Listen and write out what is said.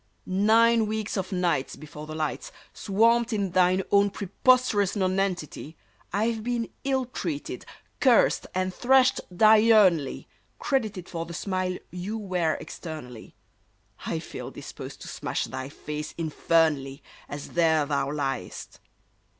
Nine weeks of nights, Before the lights, Swamped in thine own preposterous nonentity, I've been ill treated, cursed, and thrashed diurnally, Credited for the smile you wear externally— I feel disposed to smash thy face, infernally, As there thou liest!